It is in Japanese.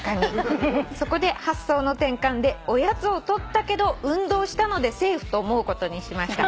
「そこで発想の転換でおやつを取ったけど運動したのでセーフと思うことにしました」